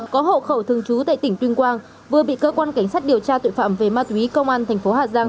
có hộ khẩu thường trú tại tỉnh tuyên quang vừa bị cơ quan cảnh sát điều tra tội phạm về ma túy công an thành phố hà giang